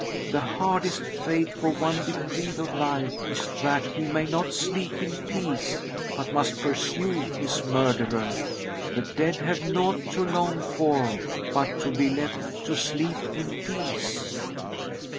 The hardest fate for one deprived of life is that he may not sleep in peace but must pursue his murderer. The dead have naught to long for but to be left to sleep in peace."